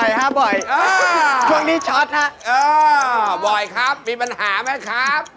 ยังไงกันก่อน